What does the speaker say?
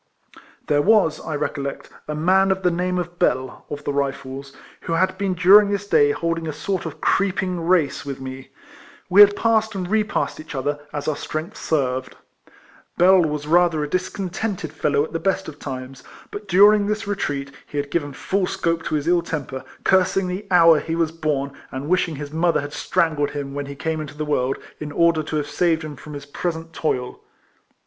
There was, I recollect, a man of the name of Bell, of the Rifles, who had been during this day holding a sort of creeping race * Our division, under Craufurd, in this retreat, as I have before mentioned, made for Vigo. 230 RECOLLECTIONS OF with me, — we had passed and repassed each other, as our strength served. Bell was rather a discontented fellow at the best of times ; but during this retreat he had given full scope to his ill temper, cursing the hour he w^as born, and wishing his mother had strangled him when he came into the world, in order to have saved him from his present toil.